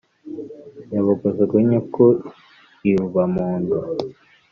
yabogoza rwinyuku i rubampundu